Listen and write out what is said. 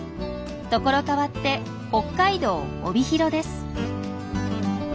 ところ変わって北海道帯広です。